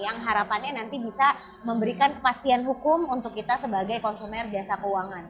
yang harapannya nanti bisa memberikan kepastian hukum untuk kita sebagai konsumen jasa keuangan